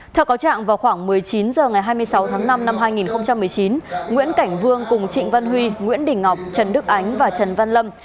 theo cáo trạng vào khoảng một mươi chín h ngày hai mươi sáu tháng năm năm hai nghìn một mươi chín nguyễn cảnh vương cùng trịnh văn huy nguyễn đình ngọc trần đức ánh và trần văn lâm